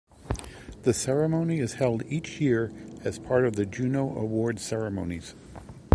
The ceremony is held each year as part of the Juno Award ceremonies.